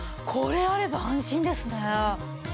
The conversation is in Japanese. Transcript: これあれば安心ですね。